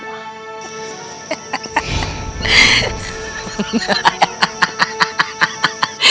itu soal muda